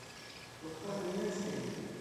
Туҡта, нимә эшләйһең?